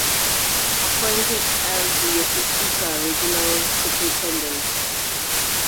Appointed as Yokosuka Regional Superintendent.